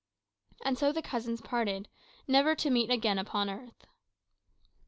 And so the cousins parted, never to meet again upon earth.